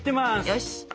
よし！